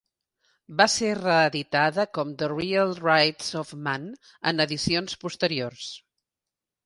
Va ser reeditada com "The Real Rights of Man" en edicions posteriors.